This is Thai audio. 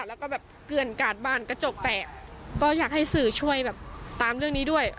แล้วก็แบบเกื้อนกาดบ้านกระจกแตกก็อยากให้สื่อช่วยแบบตามเรื่องนี้ด้วย